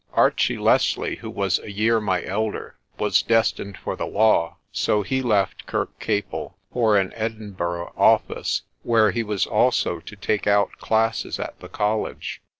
Archie Leslie, who was a year my elder, was destined for the law, so he left Kirkcaple for an Edinburgh office, where he was also to take out classes at the college.